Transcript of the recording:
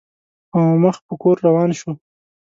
او مخ په کور روان شو.